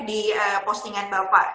di postingan bapak